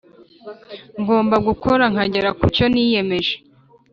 Ngomba gukora nkagera kucyo niyemeje